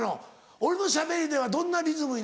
俺のしゃべりではどんなリズムになるの？